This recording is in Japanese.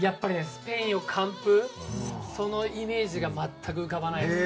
スペインを完封するイメージが全く浮かばないんです。